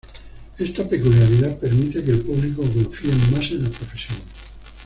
Esta peculiaridad permite que el público confíe más en la profesión.